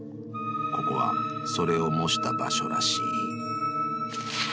［ここはそれを模した場所らしい］